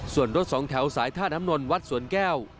ส่วนรถสองแถวสายท่าน้ำนนวัดสวนแก้ว